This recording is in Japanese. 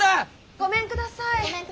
ごめんください。